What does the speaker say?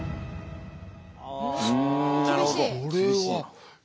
なるほど。